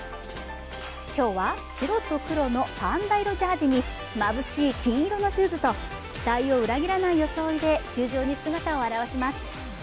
今日は白と黒のパンダ色ジャージにまぶしい金色のシューズと期待を裏切らない装いで球場に姿を現します。